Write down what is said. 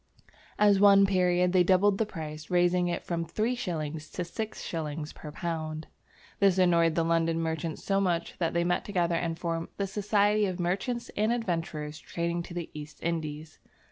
At one period they doubled the price, raising it from three shillings to six shillings per pound. This annoyed the London merchants so much that they met together and formed the "Society of Merchants and Adventurers trading to the East Indies."